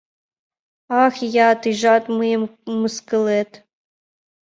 Ах, ия, тыйжат мыйым мыскылет!